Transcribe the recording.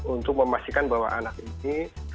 untuk memastikan bahwa anak ini